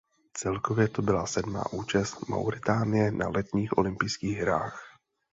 Celkově to byla sedmá účast Mauritánie na letních olympijských hrách.